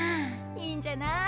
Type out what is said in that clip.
いいんじゃない？